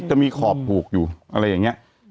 จะมีขอบผูกอยู่อะไรอย่างนี้